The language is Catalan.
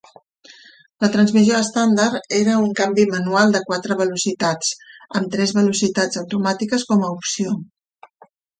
La transmissió estàndard era un canvi manual de quatre velocitats, amb tres velocitats automàtiques com a opció.